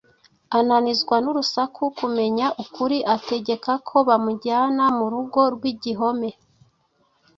ananizwa n’urusaku kumenya ukuri, ategeka ko bamujyana mu rugo rw’igihome.